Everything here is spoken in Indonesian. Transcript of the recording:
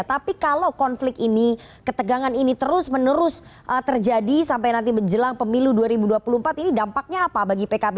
tapi kalau konflik ini ketegangan ini terus menerus terjadi sampai nanti menjelang pemilu dua ribu dua puluh empat ini dampaknya apa bagi pkb